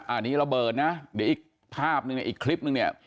อันนี้ระเบิดนะเดี๋ยวอีกภาพนึงเนี่ยอีกคลิปนึงเนี่ย